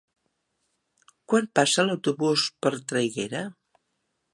Quan passa l'autobús per Traiguera?